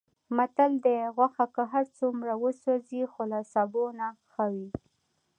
متل دی: غوښه که هرڅومره وسوځي، خو له سابو نه ښه وي.